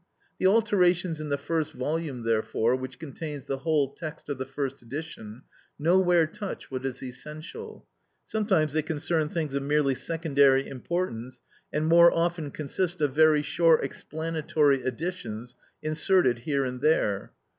The alterations in the first volume therefore, which contains the whole text of the first edition, nowhere touch what is essential. Sometimes they concern things of merely secondary importance, and more often consist of very short explanatory additions inserted here and there.